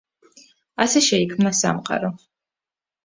ასე შეიქმნა სამყარო.